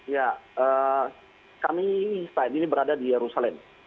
ya kami saat ini berada di yerusalem